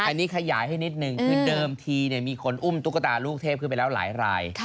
อันนี้ขยายให้นิดนึงคือเดิมทีมีคนอุ้มตุ๊กตาลูกเทพขึ้นไปแล้วหลายราย